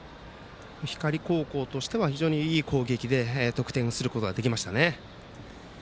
光高校としては非常にいい攻撃で得点することができましたね。